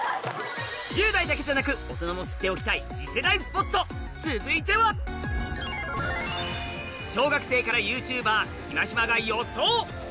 １０代だけじゃなく大人も知っておきたい次世代スポット続いては小学生からＹｏｕＴｕｂｅｒひまひま